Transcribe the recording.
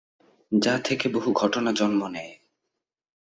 যা থেকে বহু ঘটনা জন্ম নেয়।